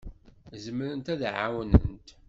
Zemrent ad d-ɛawnent.